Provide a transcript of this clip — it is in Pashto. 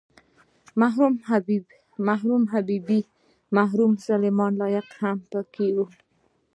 مرحوم حبیبي او مرحوم سلیمان لایق هم په کې وو.